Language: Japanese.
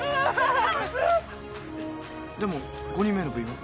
でも５人目の部員は？